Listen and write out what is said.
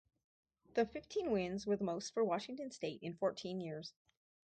The fifteen wins were the most for Washington State in fourteen years.